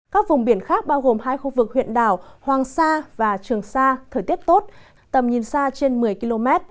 các vùng biển khác bao gồm hai khu vực huyện đảo hoàng sa và trường sa thời tiết tốt tầm nhìn xa trên một mươi km